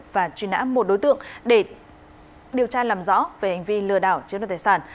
và truy nã một đối tượng để điều tra làm rõ về hành vi lừa đảo chiếm đoạt tài sản